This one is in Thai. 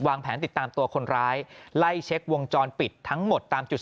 แผนติดตามตัวคนร้ายไล่เช็ควงจรปิดทั้งหมดตามจุด